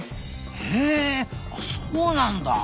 へそうなんだ。